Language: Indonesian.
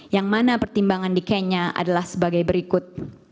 yang mana pertimbangan di kenya adalah sebagai berikut